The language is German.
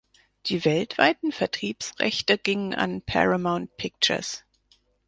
Die weltweiten Vertriebsrechte gingen an Paramount Pictures.